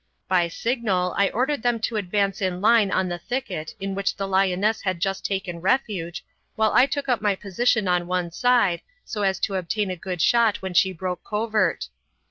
By signal I ordered them to advance in line on the thicket in which the lioness had just taken refuge, while I took up my position on one side, so as to obtain a good shot when she broke covert.